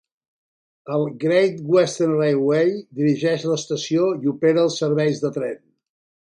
El "Great Western Railway" dirigeix l'estació i opera els serveis de tren.